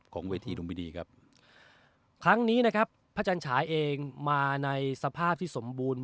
เวทีลุมพินีครับครั้งนี้นะครับพระจันฉาเองมาในสภาพที่สมบูรณ